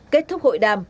kết thúc hội đàm